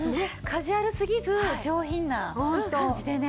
カジュアルすぎず上品な感じでね。